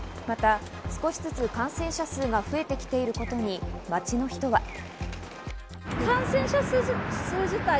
また、少しずつ感染者数が増えてきていることに街の人は。